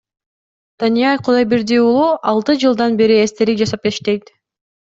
Данияр Кудайберди уулу алты жылдан бери эстелик жасап иштейт.